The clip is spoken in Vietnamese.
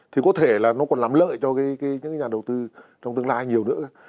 thì có thể là nó còn làm lợi cho những nhà đầu tư trong tương lai nhiều nữa